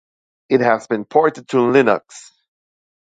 It has been ported to Linux.